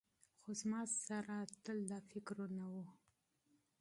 خو زما سره تل دا فکرونه وو.